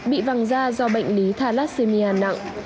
bị vàng da do bệnh lý thalassemia nặng